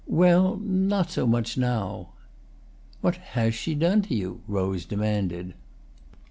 "Well, not so much now." "What has she done to you?" Rose demanded.